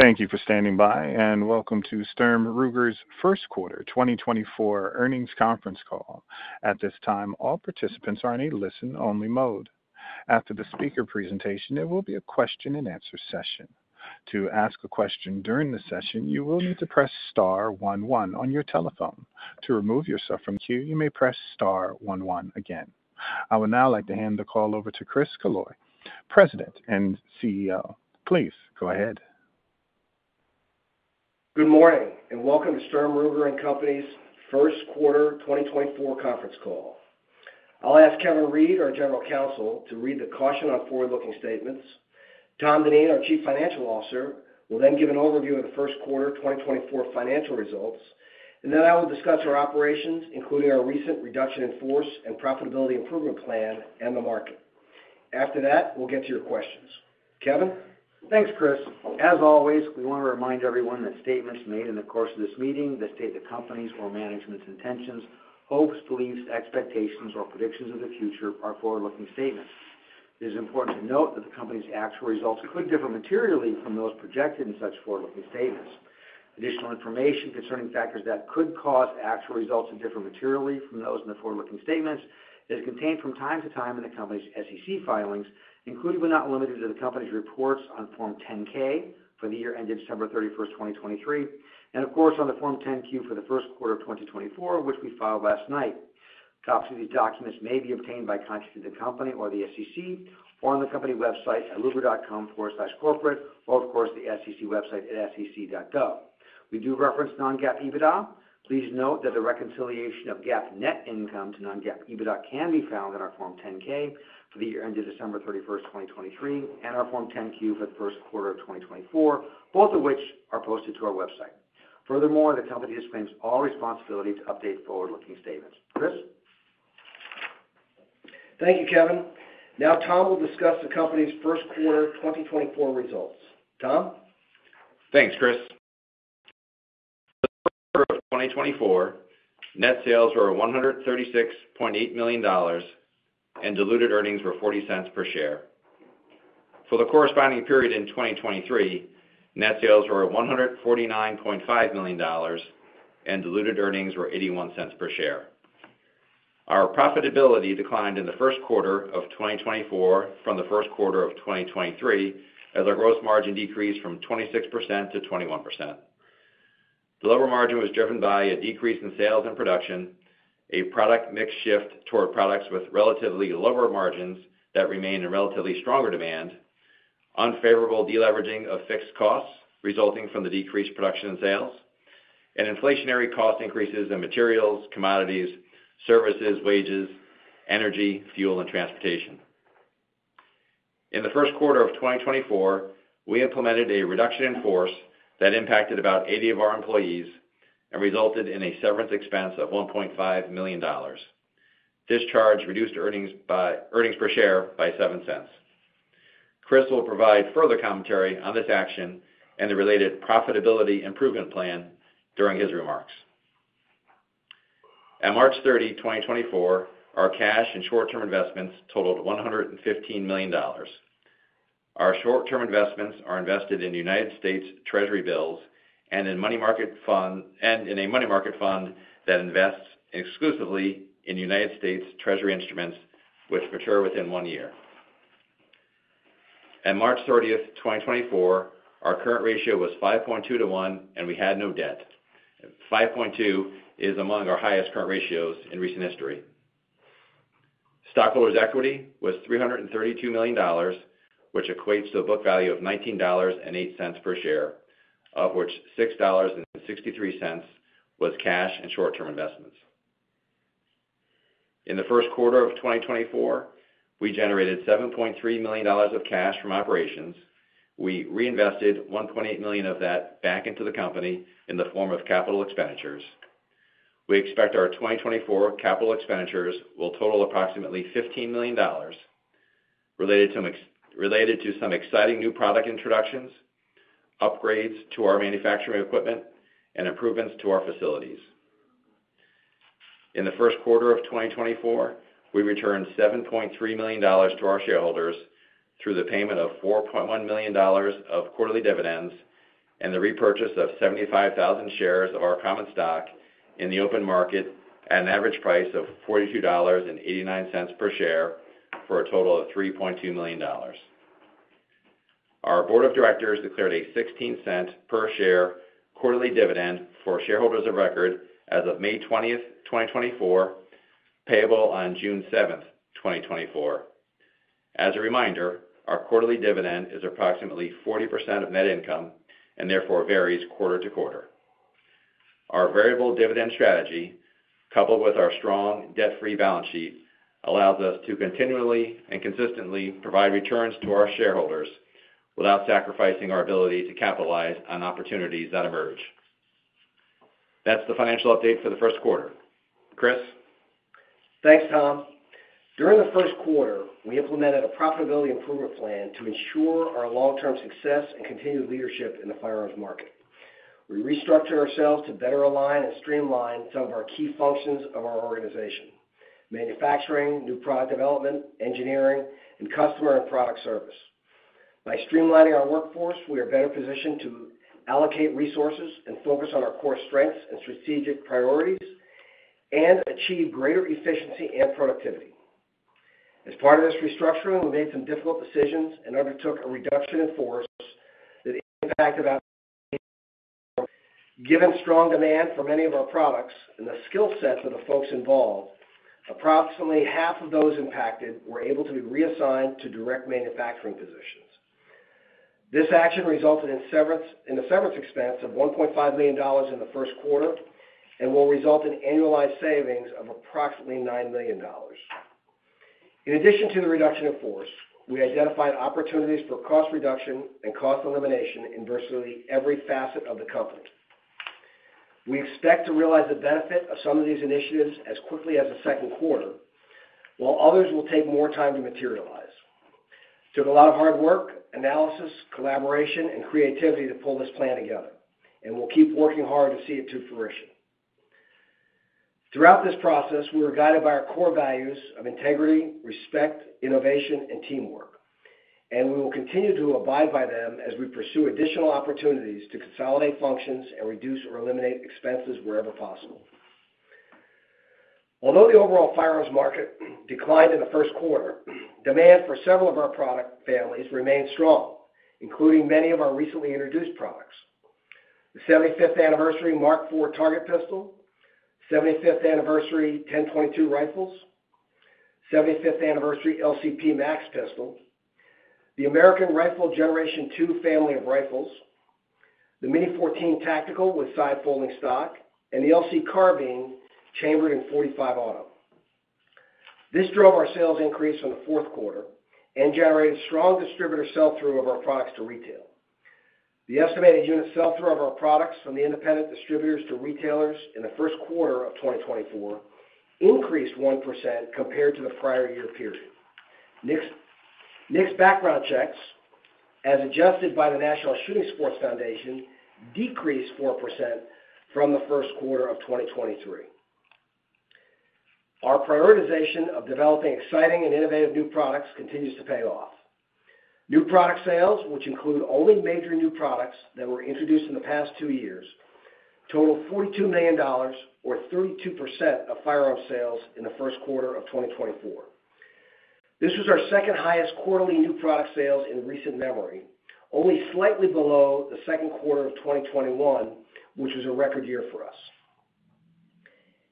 Thank you for standing by, and welcome to Sturm, Ruger's first quarter 2024 earnings conference call. At this time, all participants are in a listen-only mode. After the speaker presentation, there will be a question-and-answer session. To ask a question during the session, you will need to press star one one on your telephone. To remove yourself from queue, you may press star one one again. I would now like to hand the call over to Chris Killoy, President and CEO. Please go ahead. Good morning, and welcome to Sturm, Ruger & Company's first quarter 2024 conference call. I'll ask Kevin Reid, our General Counsel, to read the caution on forward-looking statements. Tom Dineen, our Chief Financial Officer, will then give an overview of the first quarter of 2024 financial results, and then I will discuss our operations, including our recent reduction in force and profitability improvement plan and the market. After that, we'll get to your questions. Kevin? Thanks, Chris. As always, we want to remind everyone that statements made in the course of this meeting that state the company's or management's intentions, hopes, beliefs, expectations, or predictions of the future are forward-looking statements. It is important to note that the company's actual results could differ materially from those projected in such forward-looking statements. Additional information concerning factors that could cause actual results to differ materially from those in the forward-looking statements is contained from time to time in the company's SEC filings, including, but not limited to, the company's reports on Form 10-K for the year ended December 31, 2023, and of course, on the Form 10-Q for the first quarter of 2024, which we filed last night. Copies of these documents may be obtained by contacting the company or the SEC, or on the company website at ruger.com/corporate, or of course, the SEC website at sec.gov. We do reference non-GAAP EBITDA. Please note that the reconciliation of GAAP net income to non-GAAP EBITDA can be found in our Form 10-K for the year ended December 31, 2023, and our Form 10-Q for the first quarter of 2024, both of which are posted to our website. Furthermore, the company disclaims all responsibility to update forward-looking statements. Chris? Thank you, Kevin. Now, Tom will discuss the company's first quarter 2024 results. Tom? Thanks, Chris. For 2024, net sales were $136.8 million, and diluted earnings were $0.40 per share. For the corresponding period in 2023, net sales were $149.5 million, and diluted earnings were $0.81 per share. Our profitability declined in the first quarter of 2024 from the first quarter of 2023, as our gross margin decreased from 26% to 21%. The lower margin was driven by a decrease in sales and production, a product mix shift toward products with relatively lower margins that remained in relatively stronger demand, unfavorable deleveraging of fixed costs resulting from the decreased production in sales, and inflationary cost increases in materials, commodities, services, wages, energy, fuel, and transportation. In the first quarter of 2024, we implemented a reduction in force that impacted about 80 of our employees and resulted in a severance expense of $1.5 million. This charge reduced earnings by earnings per share by $0.07. Chris will provide further commentary on this action and the related profitability improvement plan during his remarks. At March 30, 2024, our cash and short-term investments totaled $115 million. Our short-term investments are invested in United States Treasury bills and in money market fund and in a money market fund that invests exclusively in United States Treasury instruments, which mature within one year. At March 30th, 2024, our current ratio was 5.2 to 1, and we had no debt. 5.2 is among our highest current ratios in recent history. Stockholders' equity was $332 million, which equates to a book value of $19.08 per share, of which $6.63 was cash and short-term investments. In the first quarter of 2024, we generated $7.3 million of cash from operations. We reinvested $1.8 million of that back into the company in the form of capital expenditures. We expect our 2024 capital expenditures will total approximately $15 million, related to some exciting new product introductions, upgrades to our manufacturing equipment, and improvements to our facilities. In the first quarter of 2024, we returned $7.3 million to our shareholders through the payment of $4.1 million of quarterly dividends and the repurchase of 75,000 shares of our common stock in the open market at an average price of $42.89 per share, for a total of $3.2 million. Our board of directors declared a 16-cent per share quarterly dividend for shareholders of record as of May 20, 2024, payable on June 7, 2024. As a reminder, our quarterly dividend is approximately 40% of net income and therefore varies quarter to quarter. Our variable dividend strategy, coupled with our strong debt-free balance sheet, allows us to continually and consistently provide returns to our shareholders without sacrificing our ability to capitalize on opportunities that emerge. That's the financial update for the first quarter. Chris? Thanks, Tom. During the first quarter, we implemented a profitability improvement plan to ensure our long-term success and continued leadership in the firearms market. We restructured ourselves to better align and streamline some of our key functions of our organization: manufacturing, new product development, engineering, and customer and product service. By streamlining our workforce, we are better positioned to allocate resources and focus on our core strengths and strategic priorities and achieve greater efficiency and productivity. As part of this restructuring, we made some difficult decisions and undertook a reduction in force that impacted about. Given strong demand for many of our products and the skill set of the folks involved, approximately half of those impacted were able to be reassigned to direct manufacturing positions. This action resulted in a severance expense of $1.5 million in the first quarter and will result in annualized savings of approximately $9 million. In addition to the reduction in force, we identified opportunities for cost reduction and cost elimination in virtually every facet of the company. We expect to realize the benefit of some of these initiatives as quickly as the second quarter, while others will take more time to materialize. It took a lot of hard work, analysis, collaboration, and creativity to pull this plan together, and we'll keep working hard to see it to fruition. Throughout this process, we were guided by our core values of integrity, respect, innovation, and teamwork, and we will continue to abide by them as we pursue additional opportunities to consolidate functions and reduce or eliminate expenses wherever possible. Although the overall firearms market declined in the first quarter, demand for several of our product families remained strong, including many of our recently introduced products: the 75th Anniversary Mark IV Target Pistol, 75th Anniversary 10/22 Rifles, 75th Anniversary LCP Max Pistol, the American Rifle Generation II family of rifles, the Mini-14 Tactical with side-folding stock, and the LC Carbine chambered in .45 Auto. This drove our sales increase from the fourth quarter and generated strong distributor sell-through of our products to retail. The estimated unit sell-through of our products from the independent distributors to retailers in the first quarter of 2024 increased 1% compared to the prior year period. NICS, NICS background checks, as adjusted by the National Shooting Sports Foundation, decreased 4% from the first quarter of 2023. Our prioritization of developing exciting and innovative new products continues to pay off. New product sales, which include only major new products that were introduced in the past two years, totaled $42 million, or 32% of firearm sales in the first quarter of 2024. This was our second highest quarterly new product sales in recent memory, only slightly below the second quarter of 2021, which was a record year for us.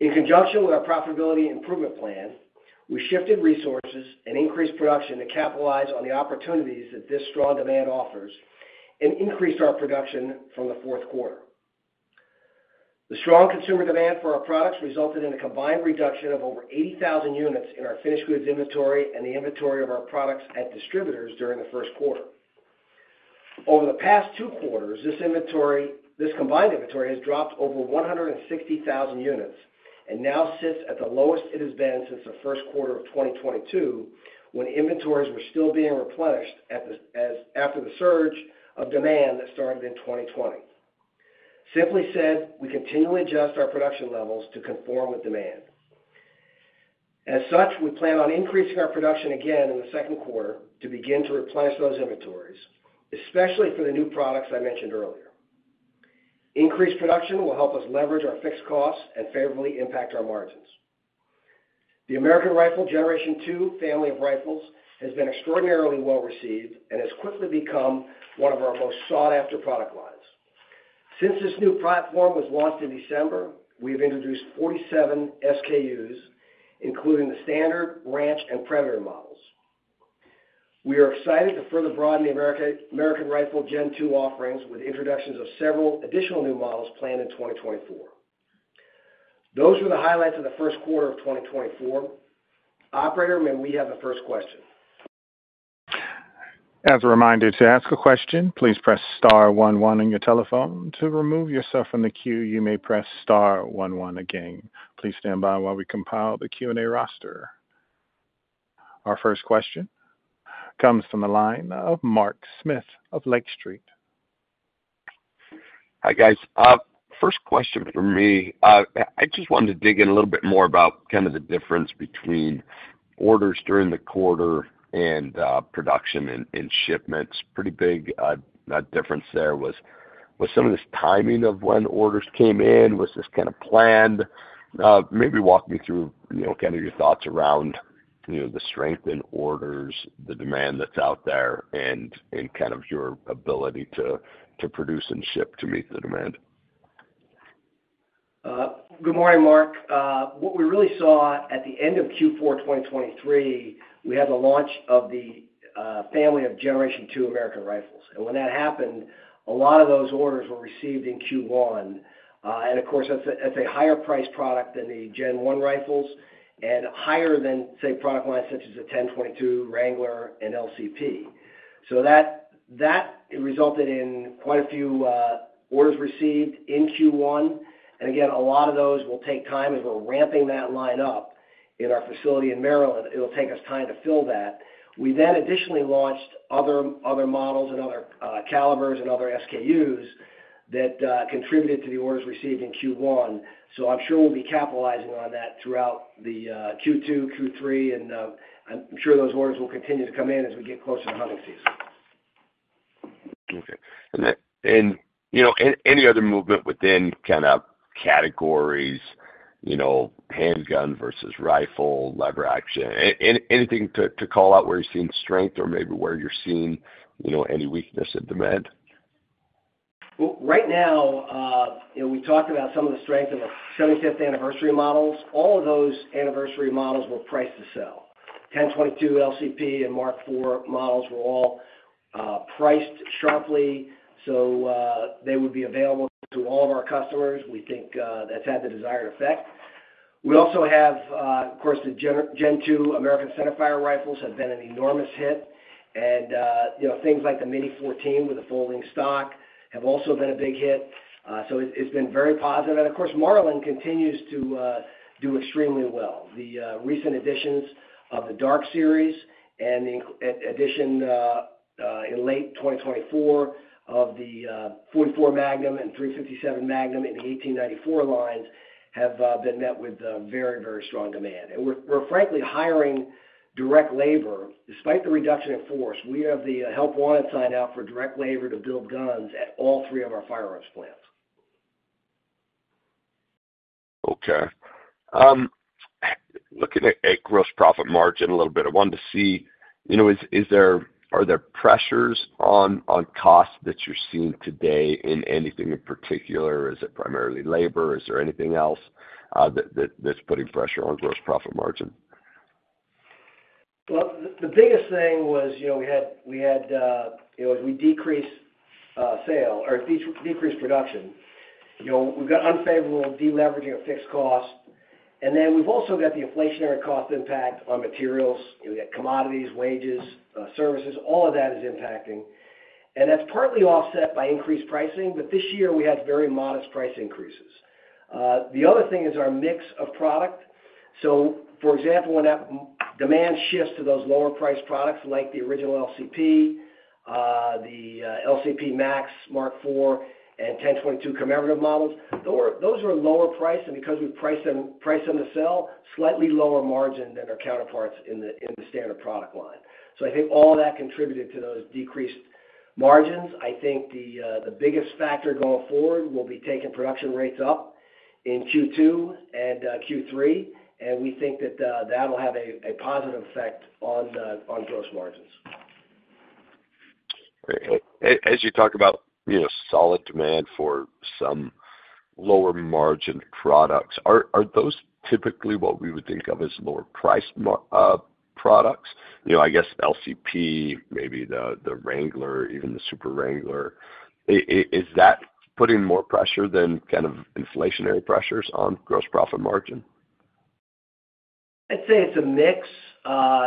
In conjunction with our profitability improvement plan, we shifted resources and increased production to capitalize on the opportunities that this strong demand offers and increased our production from the fourth quarter. The strong consumer demand for our products resulted in a combined reduction of over 80,000 units in our finished goods inventory and the inventory of our products at distributors during the first quarter. Over the past two quarters, this combined inventory has dropped over 160,000 units and now sits at the lowest it has been since the first quarter of 2022, when inventories were still being replenished as, after the surge of demand that started in 2020. Simply said, we continually adjust our production levels to conform with demand. As such, we plan on increasing our production again in the second quarter to begin to replenish those inventories, especially for the new products I mentioned earlier. Increased production will help us leverage our fixed costs and favorably impact our margins. The American Rifle Generation II family of rifles has been extraordinarily well-received and has quickly become one of our most sought-after product lines. Since this new platform was launched in December, we've introduced 47 SKUs, including the Standard, Ranch, and Predator models. We are excited to further broaden the America- American Rifle Gen II offerings with introductions of several additional new models planned in 2024. Those were the highlights of the first quarter of 2024. Operator, may we have the first question? As a reminder, to ask a question, please press star one one on your telephone. To remove yourself from the queue, you may press star one one again. Please stand by while we compile the Q&A roster. Our first question comes from the line of Mark Smith of Lake Street. Hi, guys. First question for me. I just wanted to dig in a little bit more about kind of the difference between orders during the quarter and production and shipments. Pretty big difference there. Was some of this timing of when orders came in, was this kind of planned? Maybe walk me through, you know, kind of your thoughts around, you know, the strength in orders, the demand that's out there, and kind of your ability to produce and ship to meet the demand. Good morning, Mark. What we really saw at the end of Q4 of 2023, we had the launch of the family of Generation II American Rifles. And when that happened, a lot of those orders were received in Q1. And of course, that's a higher priced product than the Gen I rifles and higher than, say, product lines such as the 10/22, Wrangler and LCP. So that resulted in quite a few orders received in Q1. And again, a lot of those will take time as we're ramping that line up in our facility in Mayodan. It'll take us time to fill that. We then additionally launched other models and other calibers and other SKUs that contributed to the orders received in Q1. So I'm sure we'll be capitalizing on that throughout the Q2, Q3, and I'm sure those orders will continue to come in as we get closer to hunting season. Okay. And then, you know, any other movement within kind of categories, you know, handgun versus rifle, lever action? Anything to call out where you're seeing strength or maybe where you're seeing, you know, any weakness in demand? Well, right now, you know, we talked about some of the strength in the 75th anniversary models. All of those anniversary models were priced to sell. 10/22 LCP and Mark IV models were all priced sharply, so they would be available to all of our customers. We think that's had the desired effect. We also have, of course, the Gen II American Centerfire rifles have been an enormous hit, and you know, things like the Mini-14 with the folding stock have also been a big hit. So it's been very positive. And of course, Marlin continues to do extremely well. The recent additions of the Dark Series and the addition in late 2024 of the .44 Magnum and .357 Magnum in the 1894 lines have been met with very, very strong demand. We're frankly hiring direct labor. Despite the reduction in force, we have the help wanted sign out for direct labor to build guns at all three of our firearms plants. Okay. Looking at gross profit margin a little bit, I wanted to see, you know, is there—are there pressures on costs that you're seeing today in anything in particular? Is it primarily labor? Is there anything else, that's putting pressure on gross profit margin? Well, the biggest thing was, you know, we had, you know, as we decreased production, you know, we've got unfavorable deleveraging of fixed costs, and then we've also got the inflationary cost impact on materials. You know, we got commodities, wages, services, all of that is impacting. And that's partly offset by increased pricing, but this year we had very modest price increases. The other thing is our mix of product. So, for example, when that demand shifts to those lower priced products, like the original LCP, the LCP Max, Mark IV, and 10/22 commemorative models, those are lower priced, and because we price them to sell, slightly lower margin than their counterparts in the standard product line. So I think all of that contributed to those decreased margins. I think the biggest factor going forward will be taking production rates up in Q2 and Q3, and we think that that'll have a positive effect on the gross margins. Great. As you talk about, you know, solid demand for some lower margin products, are those typically what we would think of as lower priced margin products? You know, I guess LCP, maybe the Wrangler, even the Super Wrangler. Is that putting more pressure than kind of inflationary pressures on gross profit margin? I'd say it's a mix.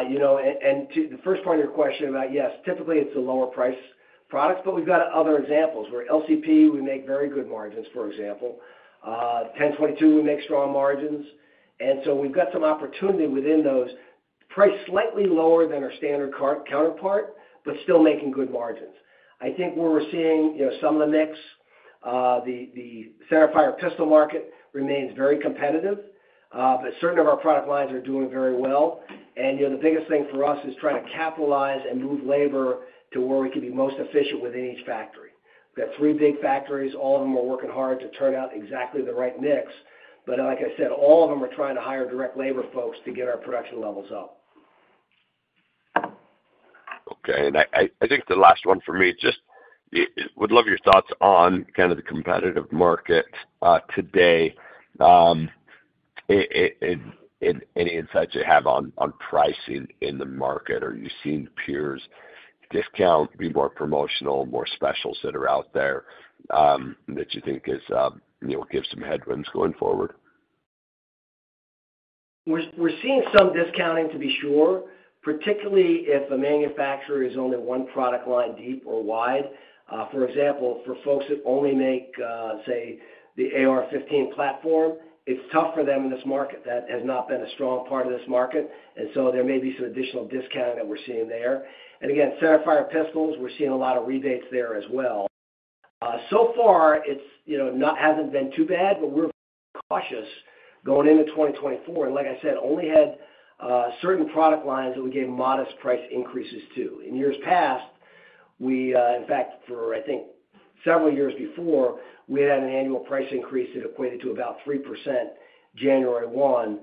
You know, and to the first part of your question about, yes, typically, it's the lower price products, but we've got other examples, where LCP, we make very good margins, for example. 10/22, we make strong margins. And so we've got some opportunity within those priced slightly lower than our standard counterpart, but still making good margins. I think where we're seeing, you know, some of the mix, the centerfire pistol market remains very competitive, but certain of our product lines are doing very well. And, you know, the biggest thing for us is trying to capitalize and move labor to where we can be most efficient within each factory. We've got three big factories. All of them are working hard to turn out exactly the right mix. But like I said, all of them are trying to hire direct labor folks to get our production levels up. Okay. And I think the last one for me, just would love your thoughts on kind of the competitive market today. And any insights you have on pricing in the market. Are you seeing peers discount, be more promotional, more specials that are out there, that you think is, you know, give some headwinds going forward? We're seeing some discounting, to be sure, particularly if a manufacturer is only one product line deep or wide. For example, for folks that only make, say, the AR-15 platform, it's tough for them in this market. That has not been a strong part of this market, and so there may be some additional discounting that we're seeing there. And again, centerfire pistols, we're seeing a lot of rebates there as well. So far, it's, you know, hasn't been too bad, but we're cautious going into 2024, and like I said, only had certain product lines that we gave modest price increases to. In years past, we, in fact, for I think several years before, we had an annual price increase that equated to about 3% January 1.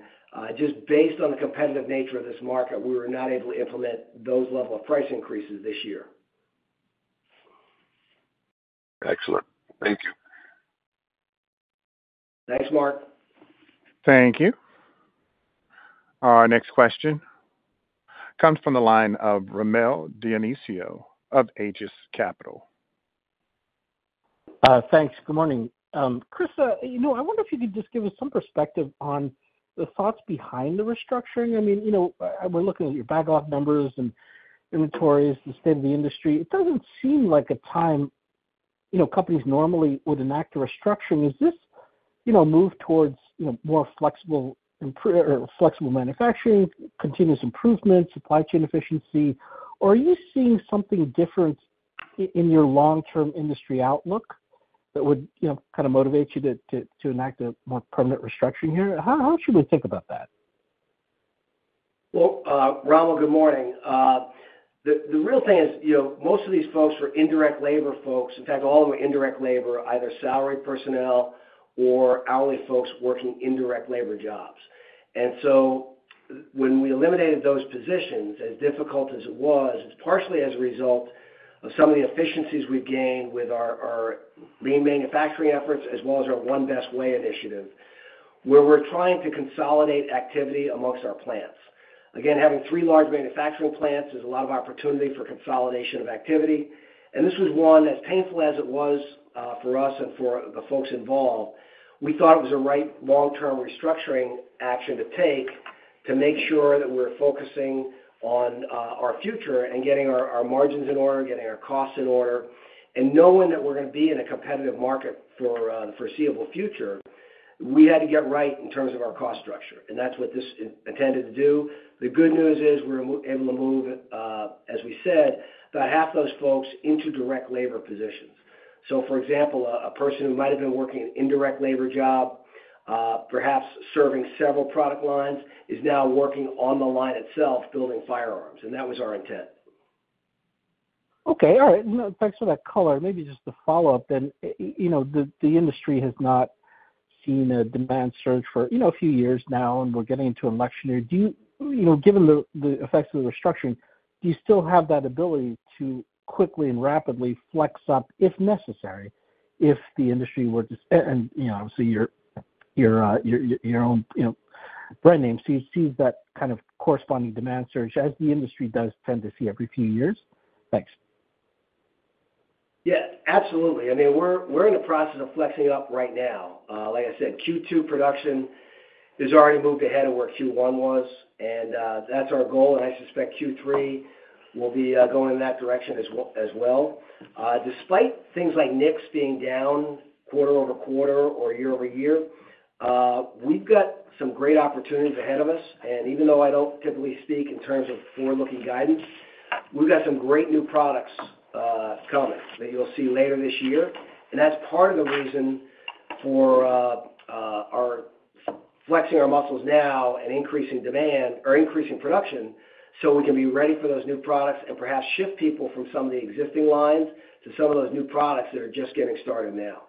Just based on the competitive nature of this market, we were not able to implement those level of price increases this year. Excellent. Thank you. Thanks, Mark. Thank you. Our next question comes from the line of Rommel Dionisio of Aegis Capital. Thanks. Good morning. Chris, you know, I wonder if you could just give us some perspective on the thoughts behind the restructuring. I mean, you know, we're looking at your backlog numbers and inventories, the state of the industry. It doesn't seem like a time... you know, companies normally would enact a restructuring. Is this, you know, a move towards, you know, more flexible or flexible manufacturing, continuous improvement, supply chain efficiency? Or are you seeing something different in your long-term industry outlook that would, you know, kind of motivate you to, to, to enact a more permanent restructuring here? How, how should we think about that? Well, Rommel, good morning. The real thing is, you know, most of these folks were indirect labor folks. In fact, all of them were indirect labor, either salaried personnel or hourly folks working indirect labor jobs. And so when we eliminated those positions, as difficult as it was, it's partially as a result of some of the efficiencies we've gained with our lean manufacturing efforts, as well as our One Best Way initiative, where we're trying to consolidate activity amongst our plants. Again, having three large manufacturing plants is a lot of opportunity for consolidation of activity, and this was one, as painful as it was, for us and for the folks involved, we thought it was the right long-term restructuring action to take to make sure that we're focusing on, our future and getting our, our margins in order, getting our costs in order, and knowing that we're gonna be in a competitive market for, the foreseeable future, we had to get right in terms of our cost structure, and that's what this intended to do. The good news is we're more able to move, as we said, about half those folks into direct labor positions. So for example, a person who might have been working an indirect labor job, perhaps serving several product lines, is now working on the line itself, building firearms, and that was our intent. Okay, all right. Thanks for that color. Maybe just to follow up then, you know, the industry has not seen a demand surge for, you know, a few years now, and we're getting into an election year. Do you... You know, given the effects of the restructuring, do you still have that ability to quickly and rapidly flex up, if necessary, if the industry were to surge and, you know, obviously, your own, you know, brand name, so you see that kind of corresponding demand surge as the industry does tend to see every few years? Thanks. Yeah, absolutely. I mean, we're in the process of flexing up right now. Like I said, Q2 production has already moved ahead of where Q1 was, and that's our goal, and I suspect Q3 will be going in that direction as well. Despite things like NICS being down quarter-over-quarter or year-over-year, we've got some great opportunities ahead of us, and even though I don't typically speak in terms of forward-looking guidance, we've got some great new products coming that you'll see later this year. And that's part of the reason for our flexing our muscles now and increasing demand or increasing production, so we can be ready for those new products and perhaps shift people from some of the existing lines to some of those new products that are just getting started now.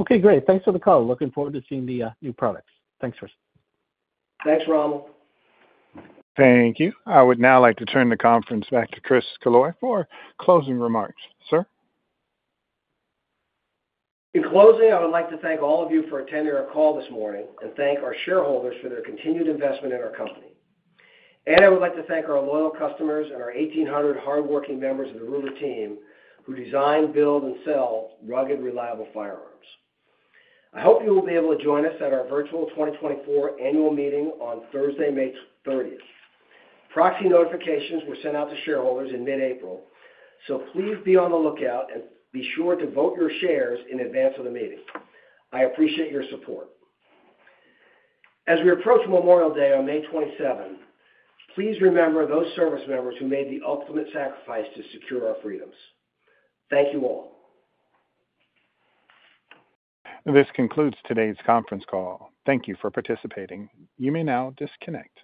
Okay, great. Thanks for the call. Looking forward to seeing the new products. Thanks, Chris. Thanks, Rommel. Thank you. I would now like to turn the conference back to Chris Killoy for closing remarks. Sir? In closing, I would like to thank all of you for attending our call this morning and thank our shareholders for their continued investment in our company. I would like to thank our loyal customers and our 1,800 hardworking members of the Ruger team, who design, build, and sell rugged, reliable firearms. I hope you will be able to join us at our virtual 2024 annual meeting on Thursday, May 30th. Proxy notifications were sent out to shareholders in mid-April, so please be on the lookout and be sure to vote your shares in advance of the meeting. I appreciate your support. As we approach Memorial Day on May 27, please remember those service members who made the ultimate sacrifice to secure our freedoms. Thank you all. This concludes today's conference call. Thank you for participating. You may now disconnect.